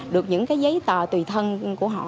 được những giấy tờ tùy thân của họ